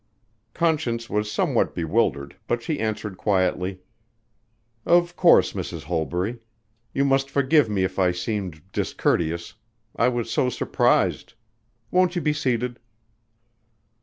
Conscience was somewhat bewildered, but she answered quietly, "Of course, Mrs. Holbury. You must forgive me if I seemed discourteous.... I was so surprised. Won't you be seated?"